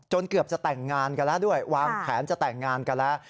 เกือบจะแต่งงานกันแล้วด้วยวางแผนจะแต่งงานกันแล้ว